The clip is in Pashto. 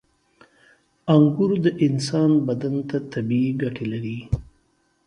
• انګور د انسان بدن ته طبیعي ګټې لري.